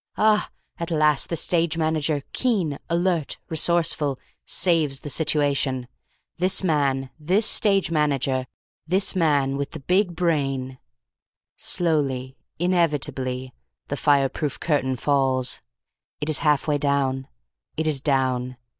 "AA! At last the stage manager keen, alert, resourceful saves the situation. This man. This stage manager. This man with the big brain. Slowly, inevitably, the fireproof curtain falls. It is half way down. It is down.